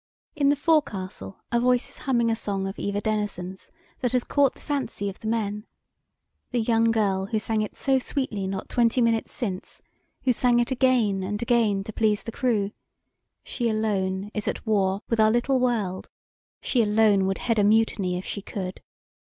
In the forecastle a voice is humming a song of Eva Denison's that has caught the fancy of the men; the young girl who sang it so sweetly not twenty minutes since who sang it again and again to please the crew she alone is at war with our little world she alone would head a mutiny if she could.